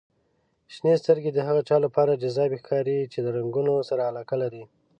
• شنې سترګې د هغه چا لپاره جذابې ښکاري چې د رنګونو سره علاقه لري.